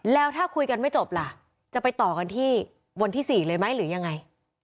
แล้วถ้าคุยกันไม่จบล่ะจะไปต่อกันที่วันที่๔เลยไหมหรือยังไง